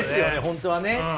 本当はね。